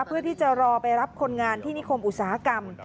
เพื่อที่จะรอไปรับคนงานที่นิคมอุตสาหกรรม